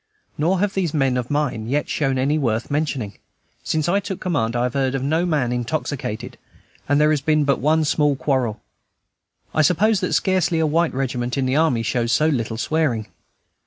Nor have these men of mine yet shown any worth mentioning; since I took command I have heard of no man intoxicated, and there has been but one small quarrel. I suppose that scarcely a white regiment in the army shows so little swearing.